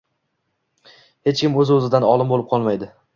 Hech kim o‘z- o‘zidan olim bo‘lib qolmaydi.